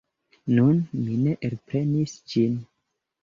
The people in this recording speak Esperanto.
Nun mi elprenis ĝin.